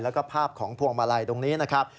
แล้วก็ภาพของพวงมาลัยตรงนี้นะครับ